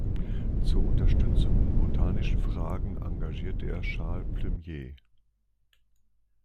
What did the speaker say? Zur Unterstützung in botanischen Fragen engagierte er Charles Plumier.